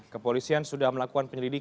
kepolisian sudah melakukan penyelamatan